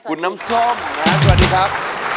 คุณน้ำส้มนะฮะสวัสดีครับ